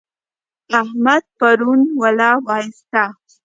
احمد پرون ولا واخيسته.